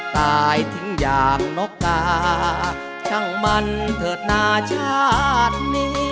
ตายทิ้งอย่างนกกาช่างมันเถิดนาชาตินี้